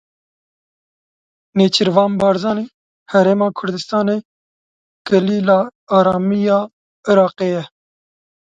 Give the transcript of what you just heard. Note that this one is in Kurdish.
Nêçîrvan Barzanî: Herêma Kurdistanê kilîla aramiya Iraqê ye.